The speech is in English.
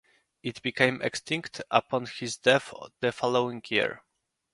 It became extinct upon his death the following year.